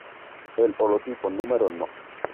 El holotipo número "No.